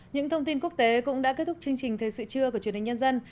những thông tin quốc tế cũng đã kết thúc chương trình thời sự trưa của truyền hình nhân dân